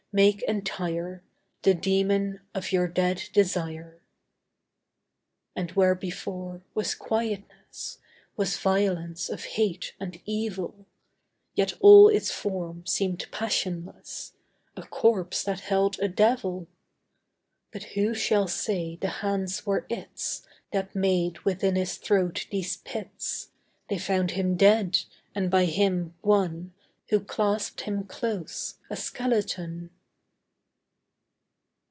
Make entire! The demon of your dead desire!" And where, before, was quietness, Was violence of hate and evil Yet all its form seemed passionless, A corpse that held a devil!... But who shall say the hands were its That made within his throat these pits? They found him dead; and by him, one Who clasped him close, a skeleton.